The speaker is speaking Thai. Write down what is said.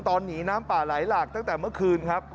ตอนนี้น้ำป่าไหลหลากตั้งแต่เมื่อคืนครับ